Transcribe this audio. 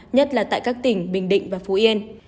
nhất là tại các tỉnh bình định và phú yên